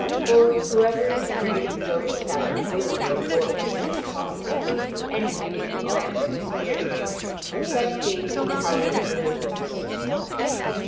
For, whoever is afraid of his own shadow willingly avoids, if possible, any meeting with lance or spear; for such games a coward has no use."